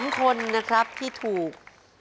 ๒คนนะครับที่ถูก